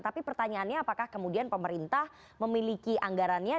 tapi pertanyaannya apakah kemudian pemerintah memiliki anggarannya